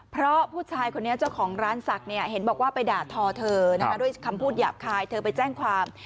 เพราะผู้ชายคนนี้เจ้าของร้านศักดิ์เห็นบอกว่าไปด่าทอเธอนะคะด้วยคำพูดหยาบคายเธอไปแจ้งความ